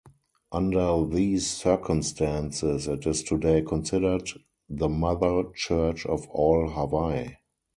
Under these circumstances it is today considered the mother church of all Hawaii.